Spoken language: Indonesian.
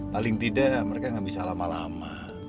paling tidak mereka nggak bisa lama lama